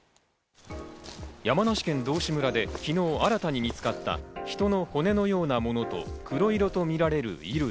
山梨県道志村で昨日、新たに見つかった人の骨のようなものと黒色とみられる衣類。